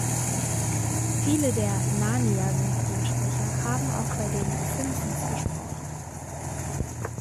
Viele der "Narnia"-Synchronsprecher haben auch bei den "Simpsons" gesprochen.